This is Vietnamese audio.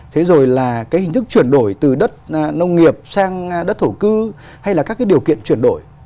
thế rồi là cái hình thức chuyển đổi từ đất nông nghiệp sang đất thổ cư hay là các cái điều kiện chuyển đổi